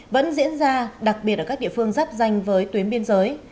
vẫn diễn ra đặc biệt ở các địa phương giáp danh với tuyến biên giới